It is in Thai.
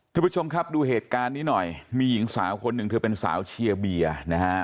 ทุกผู้ชมครับดูเหตุการณ์นี้หน่อยมีหญิงสาวคนหนึ่งเธอเป็นสาวเชียร์เบียร์นะฮะ